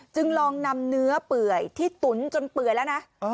จึงลองนำเนื้อเปื่อยที่ตุ๋นจนเปื่อยแล้วนะ